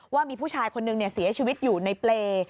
ว่ามีผู้ชายคนนึงเสียชีวิตอยู่ในเปรย์